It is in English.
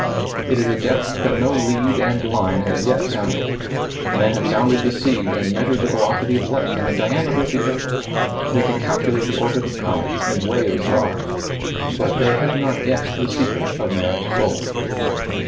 It is a depth that no lead and line has yet sounded. Men have sounded the sea and measured the velocity of light and the diame ter of the earth ; they can calculate the orbit of comets and weigh the stars ; but they have not guessed the secret of man's soul.